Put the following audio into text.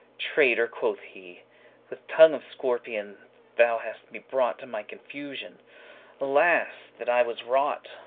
"Traitor," quoth he, "with tongue of scorpion, Thou hast me brought to my confusion; Alas that I was wrought!